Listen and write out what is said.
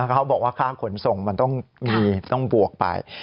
เขาบอกว่าค่าขนส่งมันต้องมีต้องบวกไป